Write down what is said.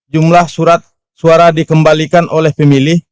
jumlah surat suara dikembalikan oleh pemilih